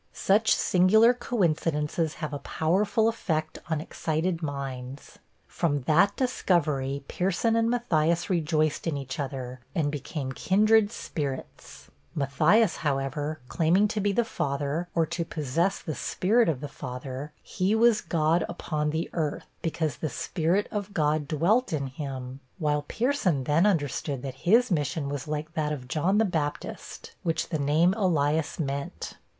Such singular coincidences have a powerful effect on excited minds. From that discovery, Pierson and Matthias rejoiced in each other, and became kindred spirits Matthias, however, claiming to be the Father, or to possess the spirit of the Father he was God upon the earth, because the spirit of God dwelt in him; while Pierson then understood that his mission was like that of John the Baptist, which the name Elias meant.